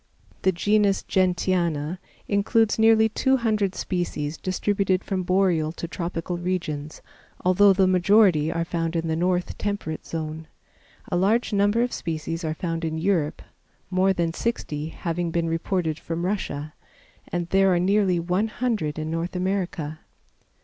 The genus Gentiana includes nearly two hundred species distributed from boreal to tropical regions, although the majority are found in the north temperate zone. A large number of species are found in Europe, more than sixty having been reported from Russia, and there are nearly one hundred in North America.